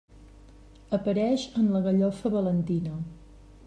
Apareix en la gallofa valentina.